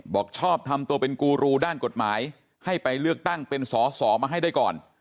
บอกชอบทำตัวเป็นกูรูด้านกฎหมายให้ไปเลือกตั้งเป็นสอสอมาให้ได้ก่อน